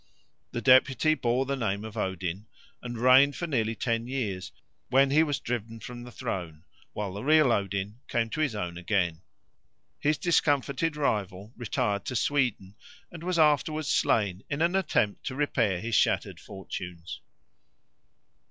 The deputy bore the name of Odin, and reigned for nearly ten years, when he was driven from the throne, while the real Odin came to his own again. His discomfited rival retired to Sweden and was afterwards slain in an attempt to repair his shattered fortunes.